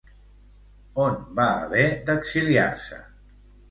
On va haver d'exiliar-se?